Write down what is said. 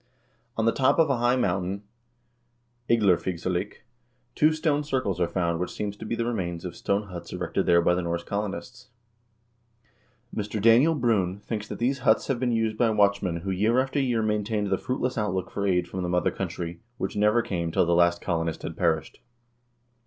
On the top of a high mountain, Igdlerfigsalik, two stone circles are found which seem to be the remains of stone huts erected there by the Norse colonists. Mr. Daniel Bruun thinks that these huts have been used by watch men who year after year maintained the fruitless outlook for aid from the mother country, which never came till the last colonist had perished.